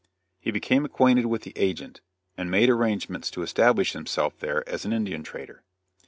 He became acquainted with the agent, and made arrangements to establish himself there as an Indian trader.